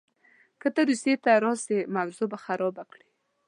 که ته روسیې ته راسې وضع به خرابه کړې.